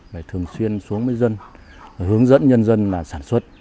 phải thường xuyên xuống với dân hướng dẫn nhân dân là sản xuất